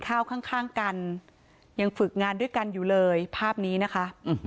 ข้าวข้างกันยังฝึกงานด้วยกันอยู่เลยภาพนี้นะคะ